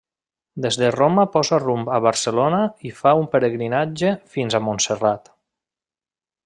Des de Roma posa rumb a Barcelona i fa un pelegrinatge fins a Montserrat.